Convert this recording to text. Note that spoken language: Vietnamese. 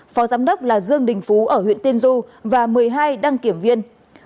phó giám đốc là dương đình phú ở huyện tiên du và một mươi hai đăng kiểm viên